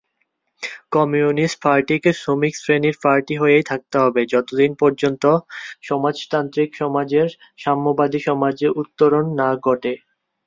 Communist পার্টিকে শ্রমিক শ্রেণির পার্টি হয়েই থাকতে হবে যতদিন পর্যন্ত সমাজতান্ত্রিক সমাজের সাম্যবাদী সমাজে উত্তরণ না ঘটে।